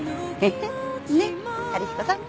ねっ春彦さん！